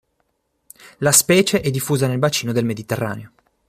La specie è diffusa nel bacino del Mediterraneo.